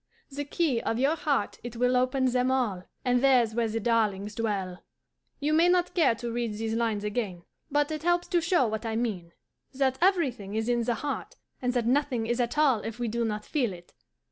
The key of your heart it will open them all: And there's where the darlings dwell!'" You may not care to read these lines again, but it helps to show what I mean: that everything is in the heart, and that nothing is at all if we do not feel it.